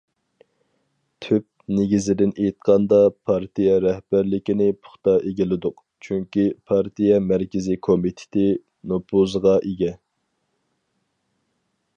تۈپ نېگىزىدىن ئېيتقاندا، پارتىيە رەھبەرلىكىنى پۇختا ئىگىلىدۇق، چۈنكى، پارتىيە مەركىزىي كومىتېتى نوپۇزغا ئىگە.